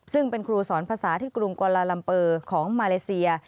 ซึ่งเป็นครูสอนภาษาที่กรุงกวาลาลัมเปอร์ของมาเลเซีย